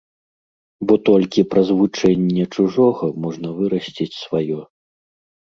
Бо толькі праз вывучэнне чужога можна вырасціць сваё.